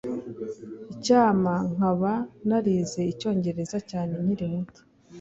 Icyampa nkaba narize Icyongereza cyane nkiri muto